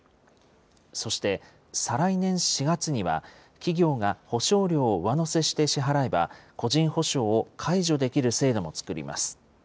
そして再来年４月には、企業が保証料を上乗せして支払えば、個人保証を解除できる制度も作ります。